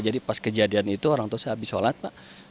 jadi pas kejadian itu orang tua saya habis sholat pak